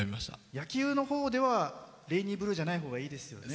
野球のほうでは「ＲａｉｎｙＢｌｕｅ」じゃないほうがいいですよね。